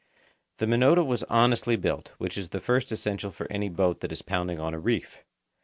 The Minota was honestly built, which is the first essential for any boat that is pounding on a reef.